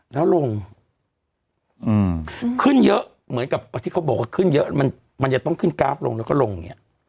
แล้วลงขึ้นเยอะเหมือนกับที่เขาบอกว่าขึ้นเยอะมันจะต้องขึ้นกราฟลงแล้วก็ลงอย่างนี้